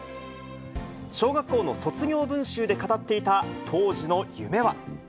小学校の卒業文集で語っていた当時の夢は。